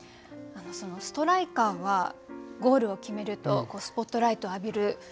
そのストライカーはゴールを決めるとスポットライトを浴びる。